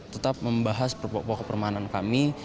tetap membahas pokok permohonan kami